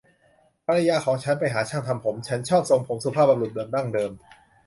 ภรรยาของฉันไปหาช่างทำผม ฉันชอบทรงผมสุภาพบุรุษแบบดั้งเดิม